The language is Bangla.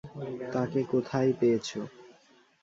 তাকে কোথায় পেয়েছ?